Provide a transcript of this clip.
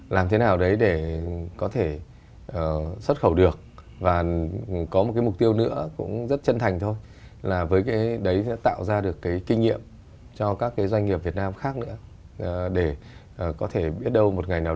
là xuất khẩu